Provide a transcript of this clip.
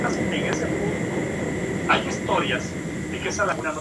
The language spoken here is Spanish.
En esta zona se han desarrollado actividades mineras, agrícolas y ganaderas.